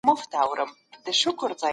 پوهان د نوي عصر غوښتنې څېړي.